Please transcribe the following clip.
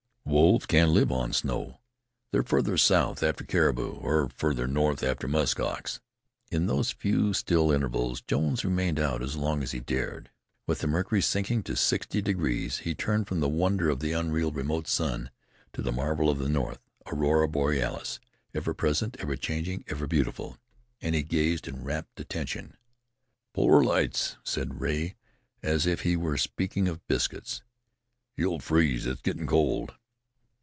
"Wolves can't live on snow. They're farther south after caribou, or farther north after musk ox." In those few still intervals Jones remained out as long as he dared, with the mercury sinking to sixty degrees. He turned from the wonder of the unreal, remote sun, to the marvel in the north Aurora borealis ever present, ever changing, ever beautiful! and he gazed in rapt attention. "Polar lights," said Rea, as if he were speaking of biscuits. "You'll freeze. It's gettin' cold."